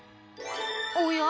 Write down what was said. おや？